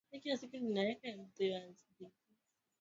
kitendo hicho kilimaanisha uharibifu wa kimwili